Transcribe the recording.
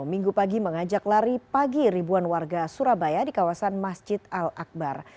minggu pagi mengajak lari pagi ribuan warga surabaya di kawasan masjid al akbar